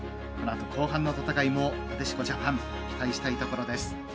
後半の戦いもなでしこジャパン期待したいところです。